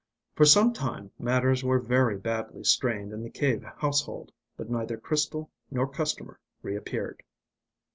For some time matters were very badly strained in the Cave household, but neither crystal nor customer reappeared.